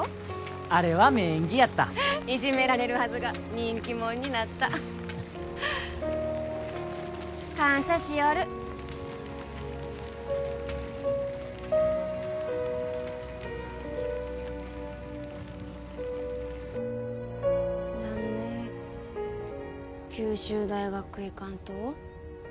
あれは名演技やったいじめられるはずが人気者になった感謝しよる何で九州大学へ行かんと？